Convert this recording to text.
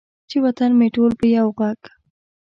چې وطن مې ټول په یو ږغ،